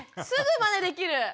すぐまねできる。